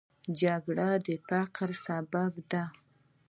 جګړه د فقر سبب ده